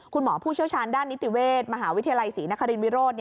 ผู้เชี่ยวชาญด้านนิติเวชมหาวิทยาลัยศรีนครินวิโรธ